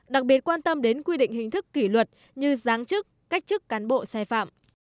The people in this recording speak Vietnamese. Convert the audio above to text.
đặc biệt quan tâm đến quy định hình thức kỷ luật như giáng chức cách chức cán bộ sai phạm